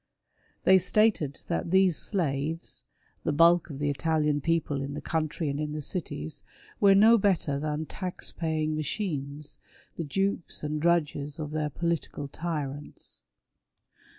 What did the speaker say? They stated that these slaves — the bulk of the Italian people in the country and in the cities — were no better than tax paying machines, the dupes and drudges of their political tyrants.